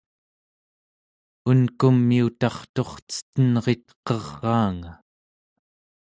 unkumiutarturcetenritqeraanga